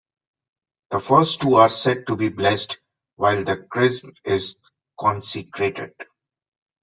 The first two are said to be blessed, while the chrism is consecrated.